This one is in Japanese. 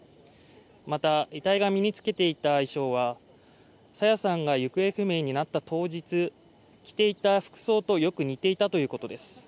また、遺体が身につけていた衣装は朝芽さんが行方不明になった当日、着ていた服装とよく似ていたということです。